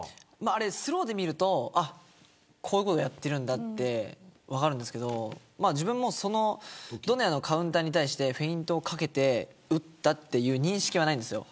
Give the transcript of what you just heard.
あれはスローで見るとこういうことやっているんだと分かるんですが自分もドネアのカウンターに対してフェイントをかけて打ったという認識はないんです。